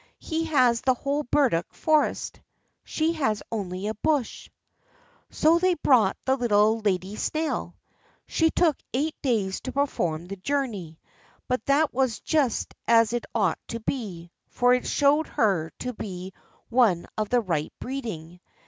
"He has the whole burdock forest; she has only a bush." So they brought the little lady snail. She took eight days to perform the journey; but that was just as it ought to be, for it showed her to be one of the right breeding.